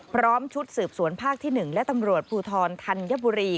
พร้อมชุดสืบสวนภาคที่๑และตำรวจภูทรธัญบุรี